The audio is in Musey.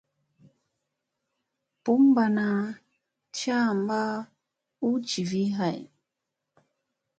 Bunbana caamba huɗ jivi hay.